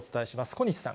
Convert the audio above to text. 小西さん。